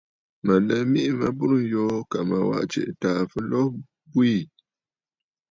Mə̀ lɛ miʼì ma mɨ burə̀ yoo kaa mə waʼà tsiʼì àtàà fɨlo bwiî.